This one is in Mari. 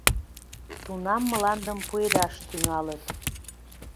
Тунам мландым пуэдаш тӱҥалыт.